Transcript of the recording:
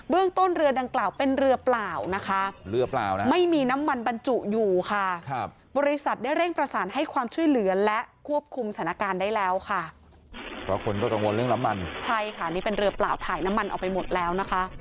เบื้องต้นเรือดังกล่าวเป็นเรือเปล่าไม่มีน้ำมันบรรจุอยู่บริษัทได้เร่งประสาทให้ความช่วยเหลือและควบคุมสถานการณ์ได้แล้ว